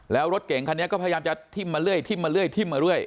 แล้วรถเก่งคันนี้ก็พยายามจะทิ้มมาเรื่อยทิ้มมาเรื่อยทิ้มมาเรื่อย